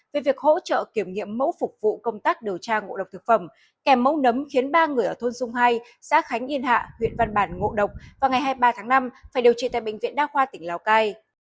về việc hỗ trợ kiểm nghiệm mẫu phục vụ công tác điều tra ngộ độc thực phẩm kèm mẫu nấm khiến ba người ở thôn dung hai xã khánh yên hạ huyện văn bản ngộ độc vào ngày hai mươi ba tháng năm phải điều trị tại bệnh viện đa khoa tỉnh lào cai